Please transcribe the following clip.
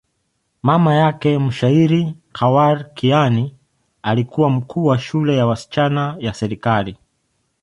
Mama yake, mshairi Khawar Kiani, alikuwa mkuu wa shule ya wasichana ya serikali.